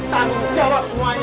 tanggung jawab semuanya